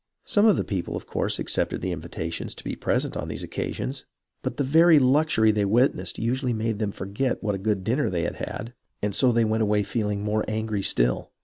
Some of the people of course accepted the invitations to be present on these occa sions, but the very luxury they witnessed usually made them forget what a good dinner they had had, and so they went away feeling more angry still.